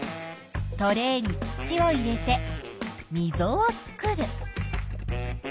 トレーに土を入れてみぞを作る。